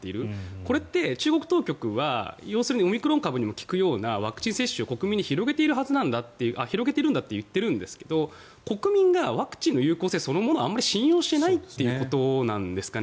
これって、中国当局は要するにオミクロン株にも効くようなワクチン接種を国民に広げているんだと言っているんですが国民がワクチンの有効性そのものをあまり信用してないということなんですかね。